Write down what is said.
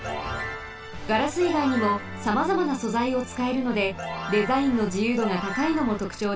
ガラスいがいにもさまざまな素材をつかえるのでデザインのじゆうどがたかいのもとくちょうです。